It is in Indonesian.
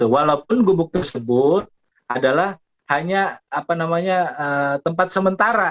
walaupun gubuk tersebut adalah hanya tempat sementara